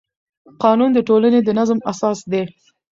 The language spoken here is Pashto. قانون د ټولنې د نظم اساس دی.